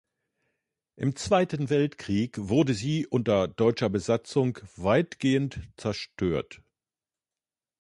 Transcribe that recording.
Im Zweiten Weltkrieg wurde sie unter deutscher Besatzung weitgehend zerstört.